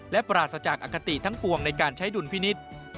และปราศจากอคติทั้งปวงในการใช้ดุลพินิษฐ์